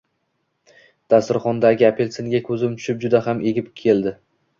Dasturxondagi apelsinga ko`zim tushib, juda ham egim keldi